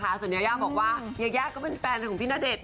เตียวย่าย่าจะบอกว่าย่าย่าก็เป็นแฟนของพี่นาเดชน์